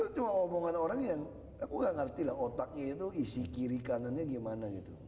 cuma omongan orang yang aku nggak ngerti lah otaknya itu isi kiri kanannya gimana gitu